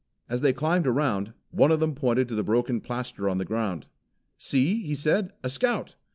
As they climbed around, one of them pointed to the broken plaster on the ground. "See!" he said. "A Scout!